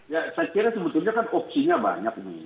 ya saya kira sebetulnya kan opsinya banyak nih